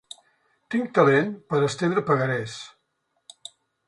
Tinc talent per estendre pagarés.